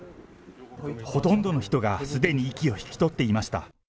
ほとんどの人がすでに息を引き取っていました。